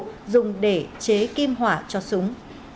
cụ dùng để chế kim hỏa cho súng